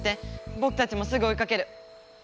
ぼくたちもすぐおいかける！